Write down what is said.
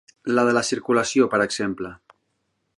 La de la circulació, per exemple.